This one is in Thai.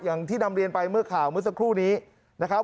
อย่างที่นำเรียนไปเมื่อข่าวเมื่อสักครู่นี้นะครับ